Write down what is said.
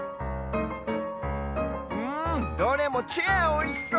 うんどれもチェアおいしそう！